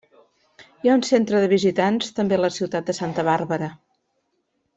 Hi ha un centre de visitants també a la ciutat de Santa Bàrbara.